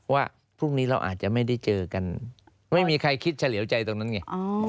ว่าพรุ่งนี้เราอาจจะไม่ได้เจอกันไม่มีใครคิดเฉลี่ยวใจตรงนั้นไง